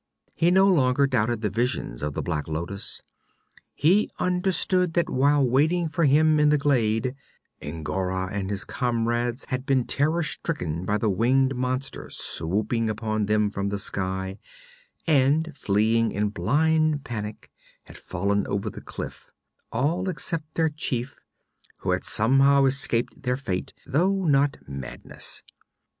He no longer doubted the visions of the black lotus. He understood that while waiting for him in the glade, N'Gora and his comrades had been terror stricken by the winged monster swooping upon them from the sky, and fleeing in blind panic, had fallen over the cliff, all except their chief, who had somehow escaped their fate, though not madness.